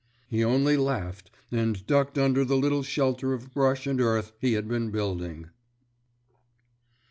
he only laughed and ducked under the little shelter of brush and earth he had been building.